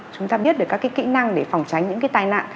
chúng ta biết được các cái kỹ năng để phòng tránh những cái tai nạn